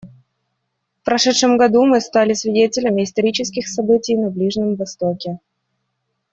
В прошедшем году мы стали свидетелями исторических событий на Ближнем Востоке.